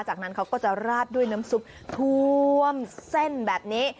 จากนั้นเขาก็จะราดด้วยน้ำซุปท่วมเส้นแบบนี้